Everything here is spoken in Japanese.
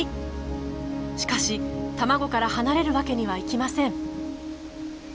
しかし卵から離れるわけにはいきません。